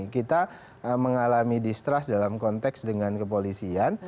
kita mengalami distrust dalam konteks dengan kepolisian